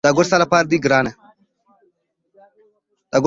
دا ګل ستا لپاره دی ګرانې!